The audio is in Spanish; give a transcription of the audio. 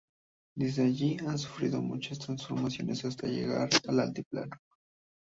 Desde allí han sufrido muchas transformaciones hasta llegar al Altiplano.